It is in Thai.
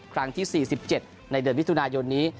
ครั้งที่๔๗ในเดือนมิถุนายนนี้